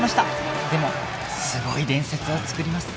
でもすごい伝説を作ります